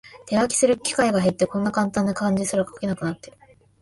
手書きする機会が減って、こんなカンタンな漢字すら書けなくなってる